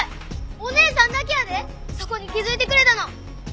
お姉さんだけやでそこに気づいてくれたの。